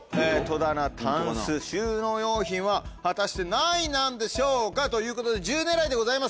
戸棚・タンス収納用品は果たして何位なんでしょうか？ということで１０位狙いでございますね。